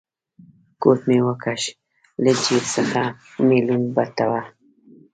کوټ مې و کښ، له جېب څخه مې لوند بټوه.